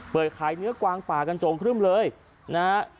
เปิดขายเนื้อกวางป่ากันโจงครึ่มเลยนะฮะ